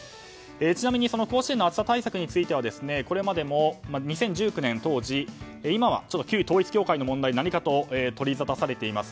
ちなみに甲子園の暑さ対策についてはこれまでも２０１９年当時今は旧統一教会の問題で何かと取りざたされています